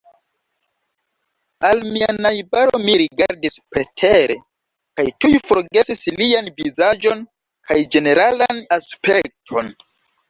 Al mia najbaro mi rigardis pretere, kaj tuj forgesis lian vizaĝon kaj ĝeneralan aspekton.